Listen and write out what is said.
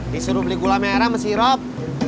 disuruh beli gula merah sama sirup